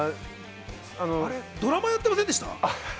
ドラマやっていませんでした？